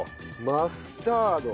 マスタード。